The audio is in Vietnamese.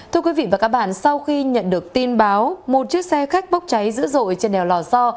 thưa quý vị và các bạn sau khi nhận được tin báo một chiếc xe khách bốc cháy dữ dội trên đèo lò so